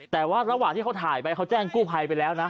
แต่ว่าระหว่างที่เขาถ่ายไปเขาแจ้งกู้ภัยไปแล้วนะ